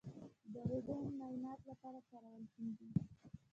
د روټین معایناتو لپاره کارول کیږي.